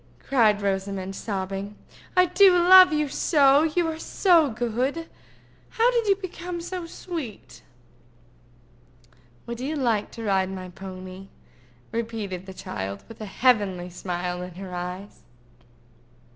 cried Rosamond, sobbing. "I do love you so, you are so good. How did you become so sweet?" "Would you like to ride my pony?" repeated the child, with a heavenly smile in her eyes.